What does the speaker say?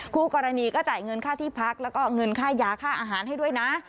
คู่กรณีก็จ่ายเงินค่าที่พักแล้วก็เงินค่ายาค่าอาหารให้ด้วยนะ